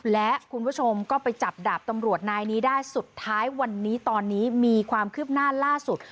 และคุณผู้ชมก็ไปจับดาบตำรวจนายนี้ได้สุดท้ายวันนี้ตอนนี้มีความคืบหน้าล่าสุด